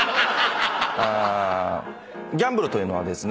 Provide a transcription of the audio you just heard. ギャンブルというのはですね